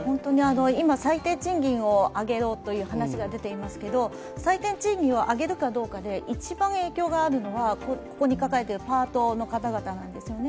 今、最低賃金を上げろという話が出ていますが最低賃金を上げるかどうかで一番影響があるのがここに書かれているパートの方々なんですよね。